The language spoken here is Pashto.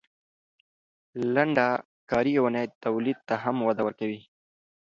لنډه کاري اونۍ تولید ته هم وده ورکوي.